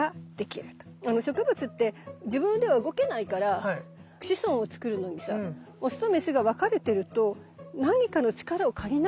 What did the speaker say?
植物って自分では動けないから子孫を作るのにさオスとメスが分かれてると何かの力を借りないといけないわけでしょ？